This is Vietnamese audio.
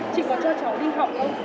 chị có cho cháu đi học không